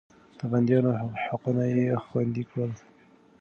د بنديانو حقونه يې خوندي کړل.